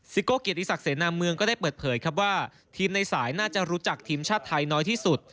โก้เกียรติศักดิเสนาเมืองก็ได้เปิดเผยครับว่าทีมในสายน่าจะรู้จักทีมชาติไทยน้อยที่สุด